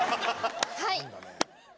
はい！